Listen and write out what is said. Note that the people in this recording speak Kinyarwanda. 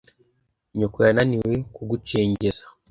nyoko yananiwe kugucengeza